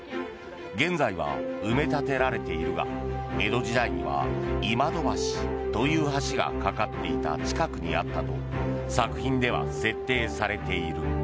現在は埋め立てられているが江戸時代には今戸橋という橋が架かっていた近くにあったと作品では設定されている。